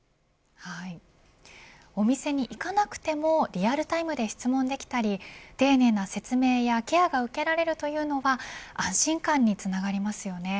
お店に行かなくてもリアルタイムで質問できたり丁寧な説明やケアが受けられるというのは安心感につながりますよね。